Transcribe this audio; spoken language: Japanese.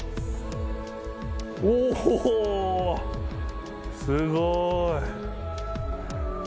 おぉすごい。